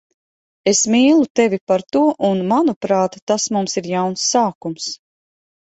Es mīlu tevi par to un, manuprāt, tas mums ir jauns sākums.